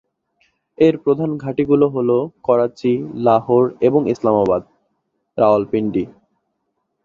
এর প্রধান ঘাঁটি গুলো হলো করাচী, লাহোর এবং ইসলামাবাদ/রাওয়ালপিন্ডি।